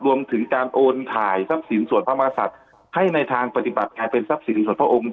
รวมถึงการโอนถ่ายทรัพย์สินส่วนพระมศัตริย์ให้ในทางปฏิบัติกลายเป็นทรัพย์สินส่วนพระองค์